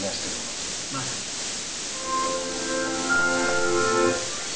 まさにそう。